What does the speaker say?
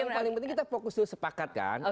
yang paling penting kita fokusnya sepakat kan